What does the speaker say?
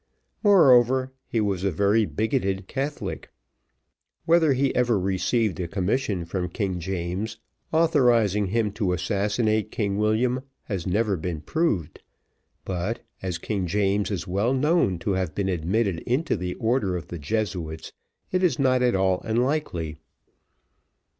Moreover, he was a very bigoted Catholic. Whether he ever received a commission from King James, authorising him to assassinate King William, has never been proved; but, as King James is well known to have been admitted into the order of the Jesuits, it is not at all unlikely.